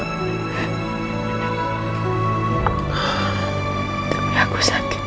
tapi aku sakit pak